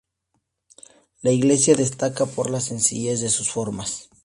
La iglesia destaca por la sencillez de sus formas.